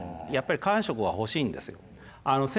やっぱり官職が欲しいんですよ。